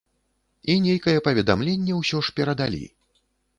І нейкае паведамленне ўсё ж перадалі.